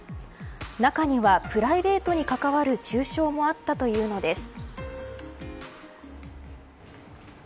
中には、プライベートに関わる中傷もあったというのです。